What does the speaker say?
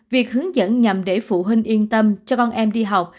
việc hướng dẫn nhằm để phụ huynh yên tâm cho con em đi học